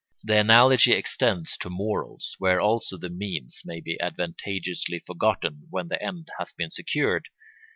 The analogy extends to morals, where also the means may be advantageously forgotten when the end has been secured.